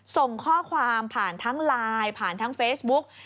ส่งข้อความผ่านทั้งไลน์ผ่านทั้งเฟซบุ๊ก